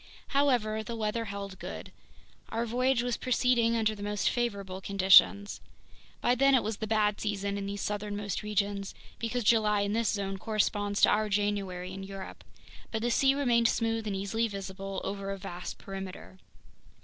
However, the weather held good. Our voyage was proceeding under the most favorable conditions. By then it was the bad season in these southernmost regions, because July in this zone corresponds to our January in Europe; but the sea remained smooth and easily visible over a vast perimeter.